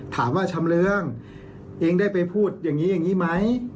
ชำเรืองเองได้ไปพูดอย่างนี้อย่างนี้ไหม